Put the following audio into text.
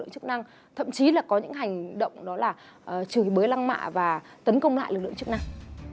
chức năng thậm chí là có những hành động đó là chửi bới lăng mạ và tấn công lại lực lượng chức năng